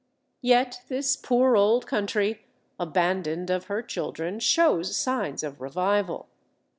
Yet this poor old country, abandoned of her children, shows signs of revival.